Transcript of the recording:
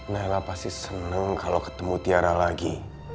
naila pasti seneng kalau ketemu tiara lagi